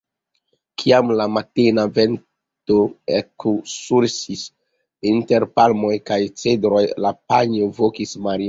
Kiam la matena vento eksusuris inter palmoj kaj cedroj, la panjo vokis Marion.